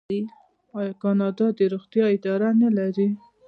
آیا کاناډا د روغتیا اداره نلري؟